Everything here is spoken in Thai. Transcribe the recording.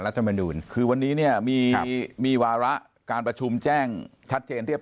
รัฐมนูลคือวันนี้เนี่ยมีมีวาระการประชุมแจ้งชัดเจนเรียบ